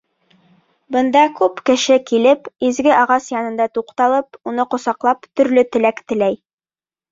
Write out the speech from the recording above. Бында күп кеше килеп, изге ағас янында туҡталып, уны ҡосаҡлап, төрлө теләк теләй.